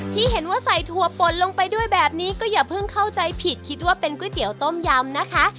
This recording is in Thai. ที่เห็นว่าใส่ถั่วปนลงไปด้วยแบบนี้ก็อย่าเพิ่งเข้าใจผิดคิดว่าเป็นก๋วยเตี๋ยวต้มยำนะคะ